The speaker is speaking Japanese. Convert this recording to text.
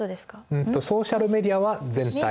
うんとソーシャルメディアは全体。